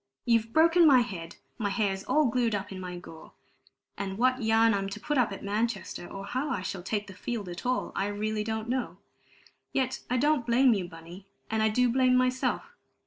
You've broken my head; my hair's all glued up in my gore; and what yarn I'm to put up at Manchester, or how I shall take the field at all, I really don't know. Yet I don't blame you, Bunny, and I do blame myself.